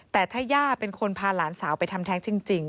แต่ถ้าย่าเป็นคนพาหลานสาวไปทำแท้งจริง